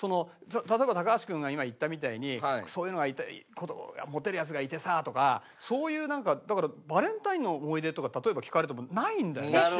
例えば高橋君が今言ったみたいにそういうのが「モテるヤツがいてさ」とかそういうなんかだからバレンタインの思い出とか例えば聞かれてもないんだよね。